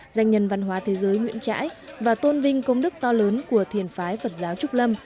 danh nhân văn hóa thế giới nguyễn trãi và tôn vinh công đức to lớn của thiền phái phật giáo trúc lâm